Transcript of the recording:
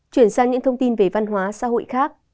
chuyển sang những thông tin về văn hóa xã hội khác